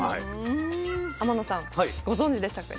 天野さんご存じでしたか？